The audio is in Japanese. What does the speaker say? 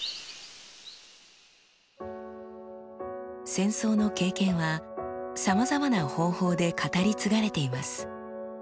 戦争の経験はさまざまな方法で語り継がれています。